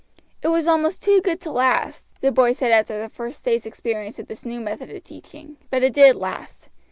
"It was almost too good to last," the boys said after the first day's experience of this new method of teaching; but it did last.